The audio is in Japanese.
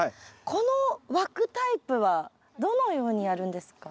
この枠タイプはどのようにやるんですか？